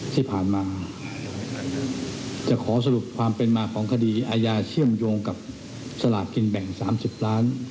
ที่ผ่านมาจะขอสรุปความเป็นมาของคดีอาญาเชื่อมโยงกับสลากกินแบ่ง๓๐ล้าน